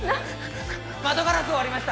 窓ガラスを割りました！